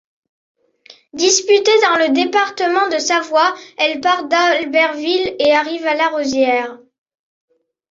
Disputée dans le département de Savoie, elle part d'Albertville et arrive à La Rosière.